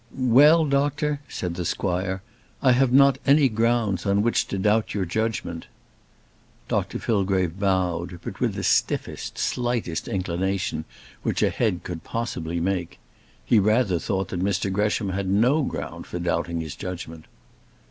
"Well, doctor," said the squire, "I have not any grounds on which to doubt your judgement." Dr Fillgrave bowed, but with the stiffest, slightest inclination which a head could possibly make. He rather thought that Mr Gresham had no ground for doubting his judgement.